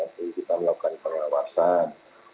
kita lagi akan melakukan pengawasan